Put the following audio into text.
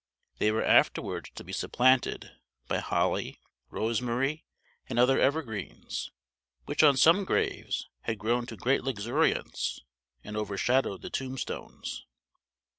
They were afterwards to be supplanted by holly, rosemary, and other evergreens, which on some graves had grown to great luxuriance, and overshadowed the tombstones.